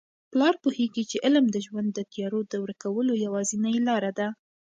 پلار پوهیږي چي علم د ژوند د تیارو د ورکولو یوازینۍ لاره ده.